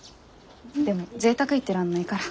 でもぜいたく言ってらんないから。